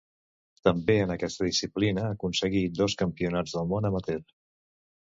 També en aquesta disciplina aconseguí dos Campionats del món amateur.